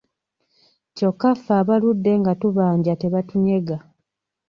Kyokka ffe abaludde nga tubanja tebatunyega.